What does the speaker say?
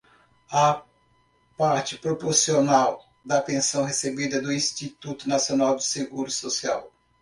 A parte proporcional da pensão recebida do Instituto Nacional do Seguro Social.